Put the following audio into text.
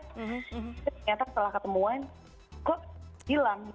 ternyata setelah ketemuan kok hilang